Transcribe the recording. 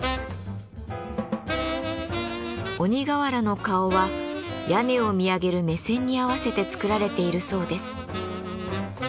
鬼瓦の顔は屋根を見上げる目線に合わせて作られているそうです。